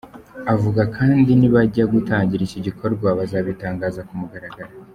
Avuga kandi nibajya gutangira iki gikorwa bazabitangaza ku mugaragaro.